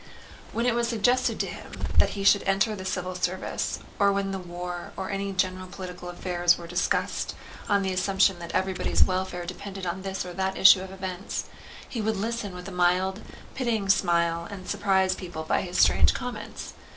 When it was suggested to him that he should enter the civil service, or when the war or any general political affairs were discussed on the assumption that everybody's welfare depended on this or that issue of events, he would listen with a mild and pitying smile and surprise people by his strange comments.